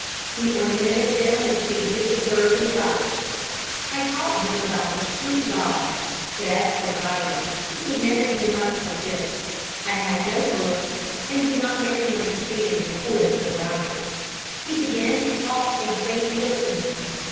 He ornamented them with figures of birds and flowers. I taught him about the true God. But as for writing he could never do much with this. I had no books and could not make him understand the importance of writing. He began to talk a great deal to me.